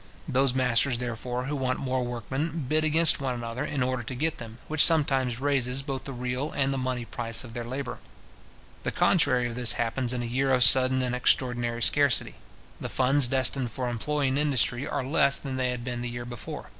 Those masters, therefore, who want more workmen, bid against one another, in order to get them, which sometimes raises both the real and the money price of their labour. The contrary of this happens in a year of sudden and extraordinary scarcity. The funds destined for employing industry are less than they had been the year before.